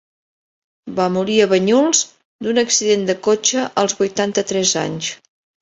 Va morir a Banyuls d'un accident de cotxe als vuitanta-tres anys.